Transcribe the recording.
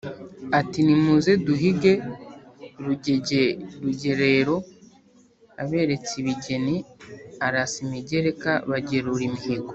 ati Nimuze duhige Rugege Rugerero aberetse ibigeni arasa imigereka, bagerura imihigo.